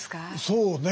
そうね。